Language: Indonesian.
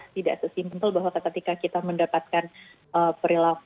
tidak so simple bahwa ketika kita mendapatkan perilaku